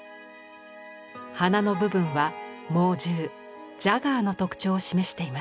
鼻の部分は猛獣ジャガーの特徴を示しています。